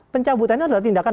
pencabutannya adalah tindakan